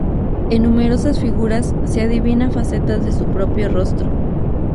En numerosas figuras se adivina facetas de su propio rostro.